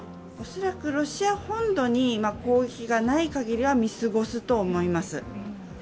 恐らくロシア本土に攻撃がないかぎりは見過ごすと思います。